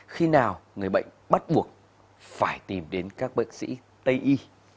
khi nào người bệnh bắt buộc phải tìm đến các bác sĩ tây y